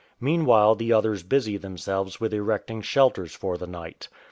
Meanwhile the others busy themselves with erecting shelters for the night.